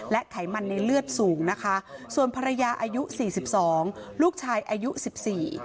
ไขมันในเลือดสูงนะคะส่วนภรรยาอายุสี่สิบสองลูกชายอายุสิบสี่